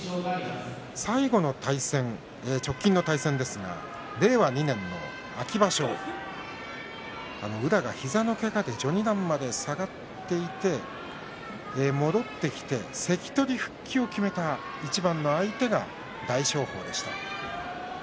最後の直近の対戦ですが令和２年の秋場所宇良が膝のけがで序二段まで下がっていて戻ってきて関取復帰を決めた場所一番が大翔鵬でした。